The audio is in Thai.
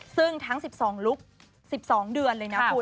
ซึ่งทั้งสิบสองลุกส์สิบสองเดือนเลยนะคุณค่ะคุณ